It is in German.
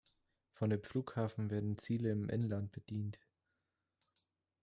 Von dem Flughafen werden Ziele im Inland bedient.